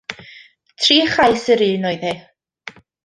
Tri chais yr un oedd hi.